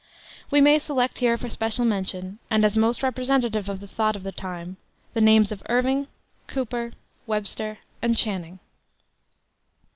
We may select here for special mention, and as most representative of the thought of their time, the names of Irving, Cooper, Webster, and Channing.